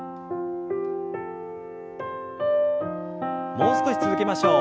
もう少し続けましょう。